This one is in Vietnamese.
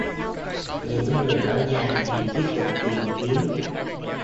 Những người ở nhà thì tiếp tục tìm kiếm